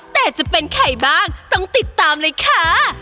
แต่จะเป็นใครบ้างต้องติดตามเลยค่ะ